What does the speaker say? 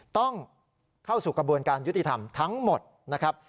ต้องเข้าสู่กระบวนการยุติธรรมทั้งหมดนะครับ